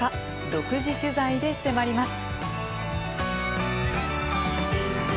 独自取材で迫ります。